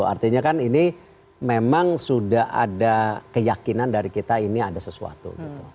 artinya kan ini memang sudah ada keyakinan dari kita ini ada sesuatu